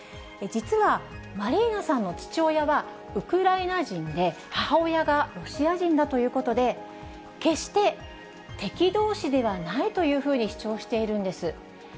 実は、マリーナさんの父親はウクライナ人で、母親がロシア人だということで、決して、敵どうしではないというふうに主張しているんです。